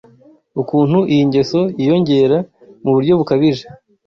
Ukuntu iyi ngeso yiyongera mu buryo bukabije